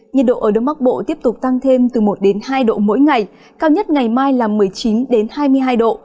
nhiệt độ ở đông bắc bộ tiếp tục tăng thêm từ một đến hai độ mỗi ngày cao nhất ngày mai là một mươi chín hai mươi hai độ